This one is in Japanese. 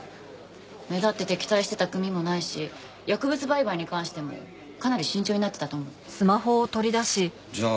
目立って敵対してた組もないし薬物売買に関してもかなり慎重になってたと思う。